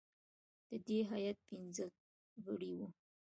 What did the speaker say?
د دې هیات پنځه غړي وه.